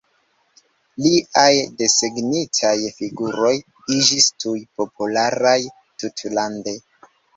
Liaj desegnitaj figuroj iĝis tuj popularaj tutlande.